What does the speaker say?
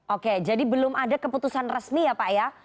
oke jadi belum ada keputusan resmi ya pak ya